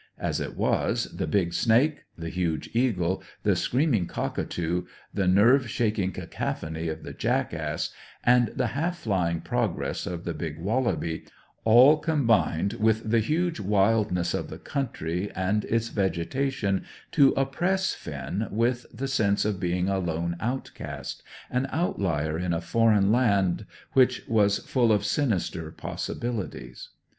As it was, the big snake, the huge eagle, the screaming cockatoo, the nerve shaking cachophony of the jackass, and the half flying progress of the big wallaby, all combined with the huge wildness of the country and its vegetation to oppress Finn with the sense of being a lone outcast, an outlier in a foreign land which was full of sinister possibilities.